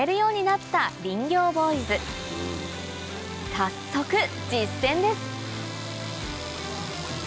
早速実践です